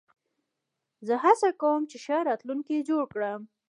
زه هڅه کوم، چي ښه راتلونکی جوړ کړم.